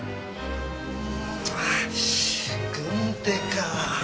軍手か。